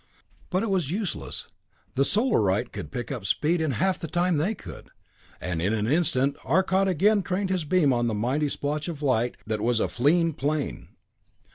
But it was useless. The Solarite could pick up speed in half the time they could, and in an instant Arcot again trained his beam on the mighty splotch of light that was a fleeing plane.